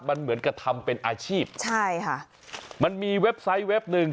มันเหมือนกับทำเป็นอาชีพใช่ค่ะมันมีเว็บไซต์เว็บหนึ่ง